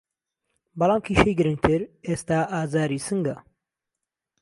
بەڵام کیشەی گرنگتر ئێستا ئازاری سنگه